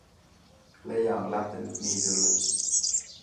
Leja on lähtenyt niitylle.